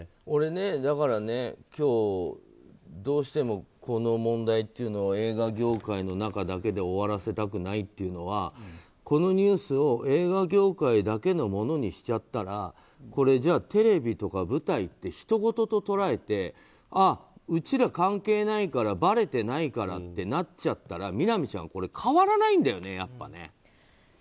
俺、だから今日どうしてもこの問題っていうのを映画業界の中だけで終わらせたくないというのはこのニュースを映画業界だけのものにしちゃったらじゃあテレビとか舞台ってひとごとと捉えてああ、うちら関係ないからばれてないからってなっちゃったら、みなみちゃん変わらないんだよね。